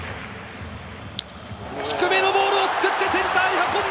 低めのボールをすくってセンターに運んだ。